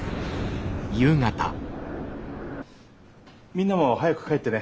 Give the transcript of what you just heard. みんなも早く帰ってね。